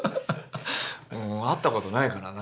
会ったことないからな。